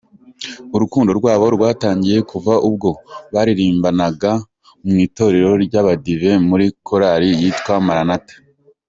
Urukundo rwabo rwatangiye kuva ubwo baririmbanaga mu itorero ry’Abadive, muri Korali yitwa Maranatha.